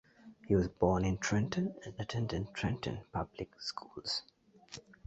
He was born in Trenton and attended Trenton public schools.